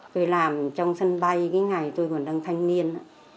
tôi làm trong sân bay cái ngày tôi còn đang thanh niên á